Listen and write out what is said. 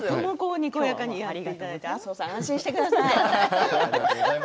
にこやかにやっていただいて麻生さん、安心してください。